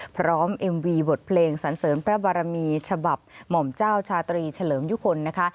เอ็มวีบทเพลงสันเสริมพระบารมีฉบับหม่อมเจ้าชาตรีเฉลิมยุคลนะคะ